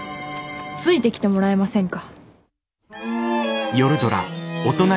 ついてきてもらえませんか？